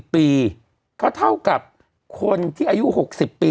๒๔๐ปีเขาเท่ากับคนที่อายุ๖๐ปี